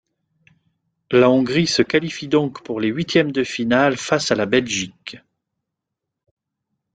La Hongrie se qualifie donc pour les huitièmes de finale face à la Belgique.